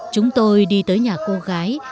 chúng tôi đi tới nhà cô gái